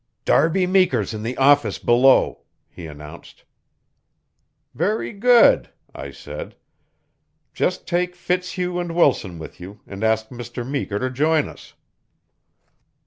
"Darby Meeker's in the office below," he announced. "Very good," I said. "Just take Fitzhugh and Wilson with you, and ask Mr. Meeker to join us."